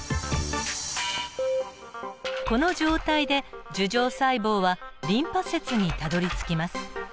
この状態で樹状細胞はリンパ節にたどりつきます。